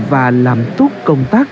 và làm tốt công tác